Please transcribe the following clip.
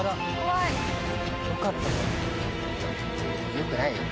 よくないよ。